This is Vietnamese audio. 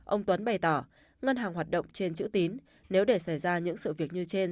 ông tuấn bày tỏ ngân hàng hoạt động trên chữ tín nếu để xảy ra những sự việc như trên